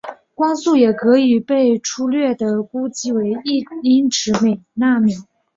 光速也可以被初略地估计为一英尺每纳秒。